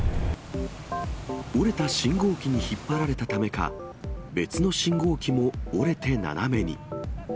折れた信号機に引っ張られたためか、別の信号機も折れて斜めに。